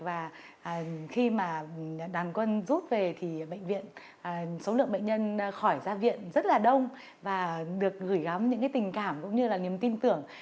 và khi mà đàn quân rút về thì bệnh viện số lượng bệnh nhân khỏi ra viện rất là đông và được gửi gắm những cái tình cảm cũng như là niềm tin tưởng